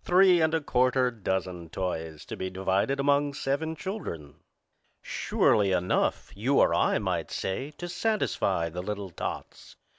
Three and a quarter dozen toys to be divided among seven children. Surely enough, you or I might say, to satisfy the little tots.